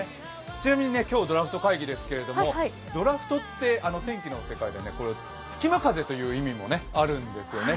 ちなみに今日ドラフト会議ですけれども、ドラフトって天気の世界では隙間風という意味もあるんですよね。